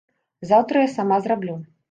Заўтра я сама зраблю.